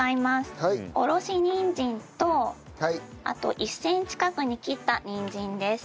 おろしにんじんとあと１センチ角に切ったにんじんです。